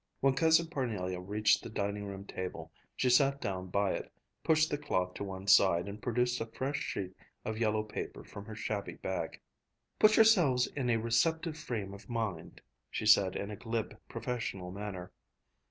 When Cousin Parnelia reached the dining room table, she sat down by it, pushed the cloth to one side, and produced a fresh sheet of yellow paper from her shabby bag. "Put yourselves in a receptive frame of mind," she said in a glib, professional manner.